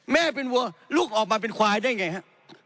แม่เป็นวัวลูกออกมาเป็นควายได้ไงฮะ